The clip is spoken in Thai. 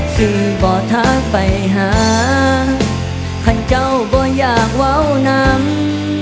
สิบอกทักไปหาท่านเจ้าบอกอยากว้าวนำ